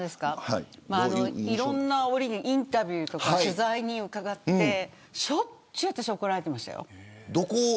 いろんな折にインタビューとか取材に伺ってしょっちゅう私は怒られていましたよ。